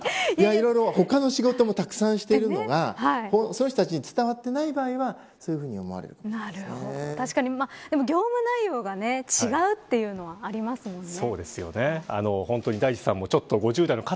いろいろ他の仕事もたくさんしているのがその人たちに伝わっていない場合は、そういうふうに確かに業務内容が違うというのはありますもんね。